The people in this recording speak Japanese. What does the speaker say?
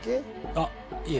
あっいえ。